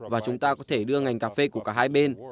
và chúng ta có thể đưa ngành cà phê của cả hai bên